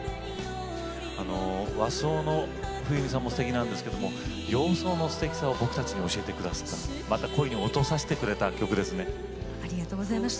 和装の冬美さんもすてきなんですけれども洋装のすてきさを僕たちに教えてくださったまた恋に落とさせてくださった曲ですね。